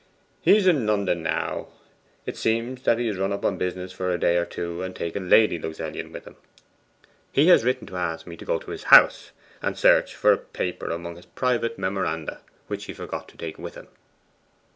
'He is in London now. It seems that he has run up on business for a day or two, and taken Lady Luxellian with him. He has written to ask me to go to his house, and search for a paper among his private memoranda, which he forgot to take with him.